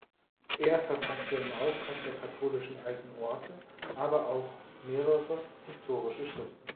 Er verfasste im Auftrag der katholischen Alten Orte aber auch mehrere historische Schriften.